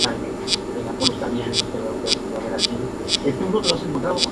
Su obra dramática está escrita bajo el seudónimo de Francisco Enrique.